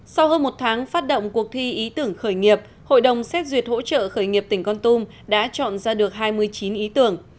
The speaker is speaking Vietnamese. sau hơn một tháng phát động cuộc thi ý tưởng khởi nghiệp hội đồng xét duyệt hỗ trợ khởi nghiệp tỉnh con tum đã chọn ra được hai mươi chín ý tưởng